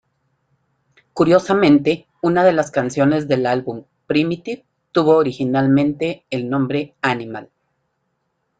Curiosamente, una de las canciones del álbum, "Primitive", tuvo originalmente el nombre "Animal".